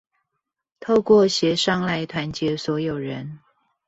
透過協商來團結所有人